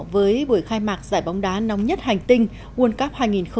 với buổi khai mạc giải bóng đá nóng nhất hành tinh world cup hai nghìn một mươi tám